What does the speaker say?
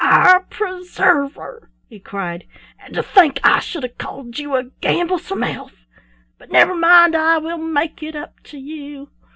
"Our preserver!" he cried. "And to think I should have called you a gamblesome elf! But never mind; I will make it up to you."